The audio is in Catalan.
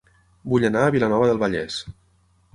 Vull anar a Vilanova del Vallès